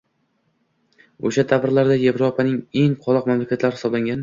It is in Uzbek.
Oʻsha davrlarda Yevropaning eng qoloq mamlakati hisoblangan